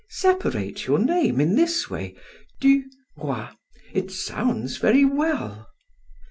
Separate your name in this way: Du Roy. It sounds very well."